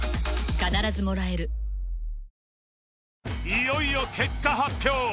いよいよ結果発表